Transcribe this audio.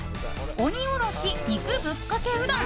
鬼おろし肉ぶっかけうどん。